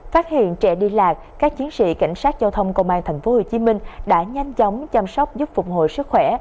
phát hiện trẻ đi lạc các chiến sĩ cảnh sát giao thông công an tp hcm đã nhanh chóng chăm sóc giúp phục hồi sức khỏe